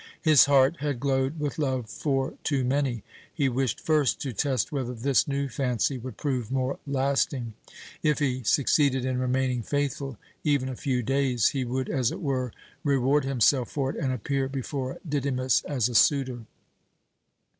His heart had glowed with love for too many. He wished first to test whether this new fancy would prove more lasting. If he succeeded in remaining faithful even a few days, he would, as it were, reward himself for it, and appear before Didymus as a suitor.